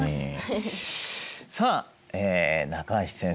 さあ中橋先生です。